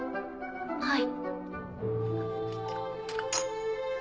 はい。